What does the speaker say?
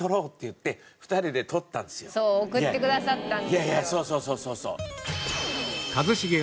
いやいやそうそうそうそう。